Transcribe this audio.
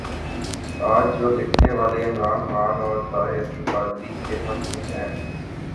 آج جو لکھنے والے عمران خان اور طاہرالقادری کے حق میں ہیں۔